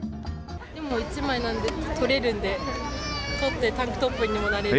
でも、１枚なんで、取れるんで、取って、タンクトップにもなれる。